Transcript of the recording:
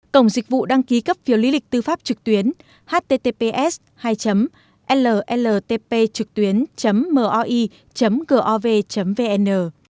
cổng dịch vụ đăng ký cấp phiếu lý lịch tư pháp trực tuyến https hai lltp vn